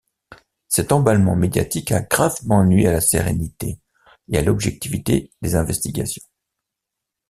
Cet emballement médiatique a gravement nui à la sérénité et à l’objectivité des investigations.